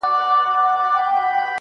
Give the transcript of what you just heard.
مړ به سم مړى به مي ورك سي گراني .